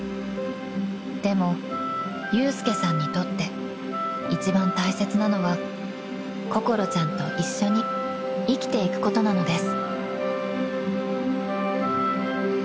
［でも祐介さんにとって一番大切なのは心ちゃんと一緒に生きていくことなのです］